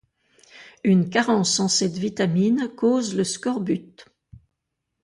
Une carence en cette vitamine cause le scorbut.